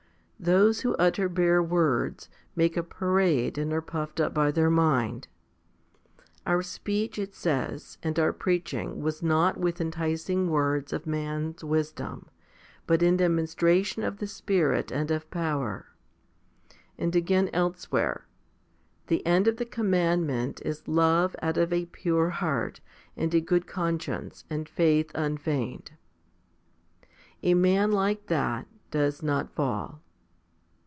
Those who utter bare words, make a parade and are puffed up by their mind. 1 Our speech, it says, and our preaching was not with enticing words of man's wisdom, but in demonstration of the Spirit and of power; 2 and again elsewhere, The end of the commandment is love out of a pure heart and a good conscience and faith unfeigned? A man like that does not fall.